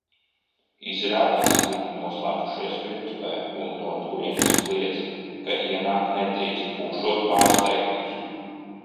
Izrādās, viņi noslēpušies virtuvē un no turienes kliedz, ka ienākt nedrīkst, būšot pārsteigums.